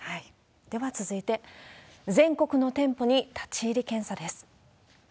では続いて、全国の店舗に立ち入り検査です。